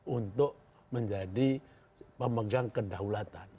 untuk menjadi pemegang kedaulatan